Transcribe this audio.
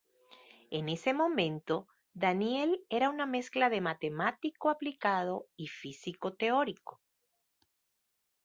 En ese momento Daniell era una mezcla de matemático aplicado y físico teórico.